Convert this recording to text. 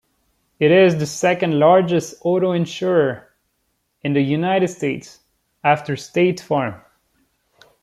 It is the second largest auto insurer in the United States, after State Farm.